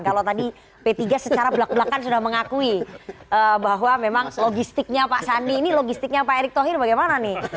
kalau tadi p tiga secara belak belakan sudah mengakui bahwa memang logistiknya pak sandi ini logistiknya pak erick thohir bagaimana nih